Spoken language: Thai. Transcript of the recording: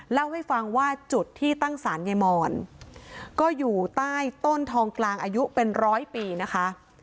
เล่าให้ฟังว่าจุดที่ตั้งสารยายมอนก็อยู่ใต้ต้นทองกลางอายุเป็นร้อยปีนะคะ